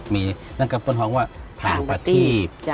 มีนั่นก็ป้นทองว่าทางประทีบ